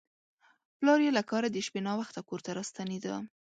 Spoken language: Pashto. پلار یې له کاره د شپې ناوخته کور ته راستنېده.